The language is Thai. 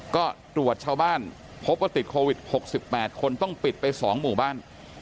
ก็ตรวจชาวบ้านพบว่าติดโควิด๖๘คนต้องปิดไป๒หมู่บ้าน